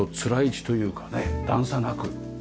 段差なく。